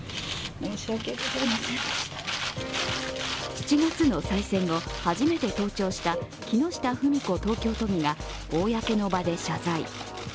７月の再選後、初めて登庁した木下富美子東京都議が公の場で取材。